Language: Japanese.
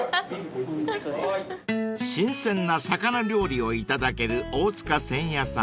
［新鮮な魚料理をいただける大塚せんやさん］